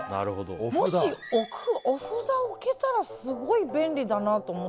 もしお札を置けたら便利だなと。